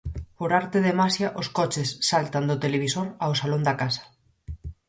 Por arte de maxia os coches saltan do televisor ao salón da casa.